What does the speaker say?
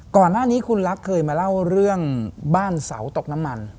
ก่อนหน้านี้คุณรักเคยมาเล่าเรื่องบ้านเสาตกน้ำมัน